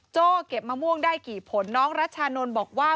เก็บมะม่วงได้กี่ผลน้องรัชานนท์บอกว่า